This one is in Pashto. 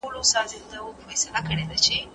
سفر د انسان عقل زیاتوي.